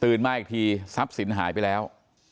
มาอีกทีทรัพย์สินหายไปแล้ว